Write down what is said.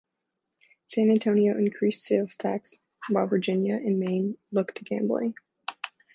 San Antonio increased sales taxes, while Virginia and Maine look to gambling.